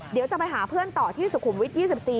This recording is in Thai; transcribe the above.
เดี๋ยวจะไปหาเพื่อนต่อที่สุขุมวิท๒๔